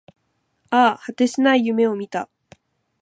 ああ、果てしない夢を見た